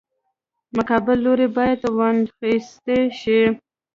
مقابل لوری باید وانخیستی شي.